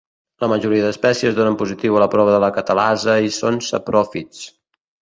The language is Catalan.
La majoria d'espècies donen positiu a la prova de la catalasa i són sapròfits.